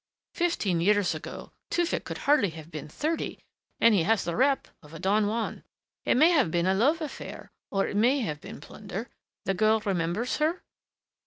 Fifteen years ago Tewfick could hardly have been thirty and he has the rep of a Don Juan. It may have been a love affair or it may have been plunder.... The girl remembers her?"